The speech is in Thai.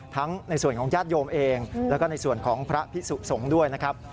ในส่วนของญาติโยมเองแล้วก็ในส่วนของพระพิสุสงฆ์ด้วยนะครับ